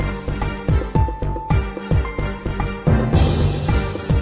เป็นเกี่ยวกับส่วนเครื่องมือ